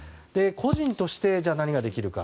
個人として何ができるか。